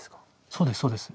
そうですそうです。